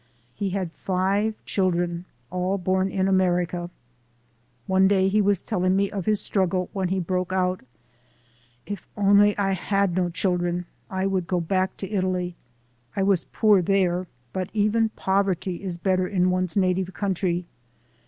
He had five children, all born in America. One day he was telling me of his struggle when he broke out: "If only I had no children I would go back to Italy. I was poor there, but even poverty is better in one's native country.